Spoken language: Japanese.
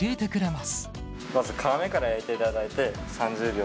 まず皮目から焼いていただいて、３０秒。